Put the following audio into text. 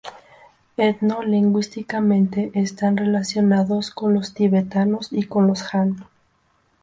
Etno-lingüísticamente están relacionados con los tibetanos y con los han.